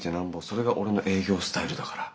それが俺の営業スタイルだから。